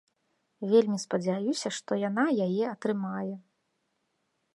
Вельмі спадзяюся, што яна яе атрымае.